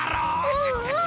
うんうん。